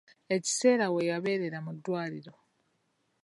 Ekiseera we yabeerera mu ddwaliro .